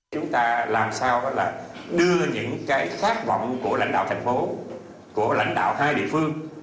chúng ta làm sao đó là đưa những cái khát vọng của lãnh đạo thành phố của lãnh đạo hai địa phương